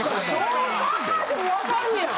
どう考えても分かるやん！